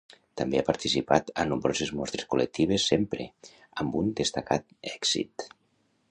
També ha participat a nombroses mostres col·lectives sempre, amb un destacat èxit.